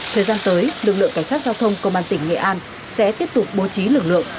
thời gian tới lực lượng cảnh sát giao thông công an tỉnh nghệ an sẽ tiếp tục bố trí lực lượng